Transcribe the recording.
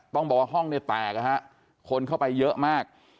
ต้องบอกว่าห้องเนี่ยแตกนะฮะคนเข้าไปเยอะมาก